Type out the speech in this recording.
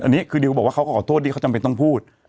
อันนี้คือดิวบอกว่าเขาก็ขอโทษที่เขาจำเป็นต้องพูด